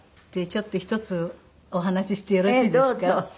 ちょっと一つお話ししてよろしいですか？